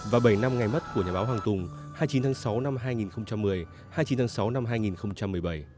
và bảy năm ngày mất của nhà báo hoàng tùng hai mươi chín tháng sáu năm hai nghìn một mươi hai mươi chín tháng sáu năm hai nghìn một mươi bảy